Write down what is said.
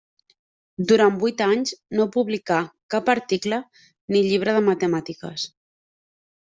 Durant vuit anys no publicà cap article ni llibre de matemàtiques.